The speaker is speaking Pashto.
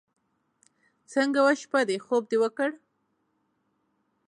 څنګه وه شپه دې؟ خوب دې وکړو.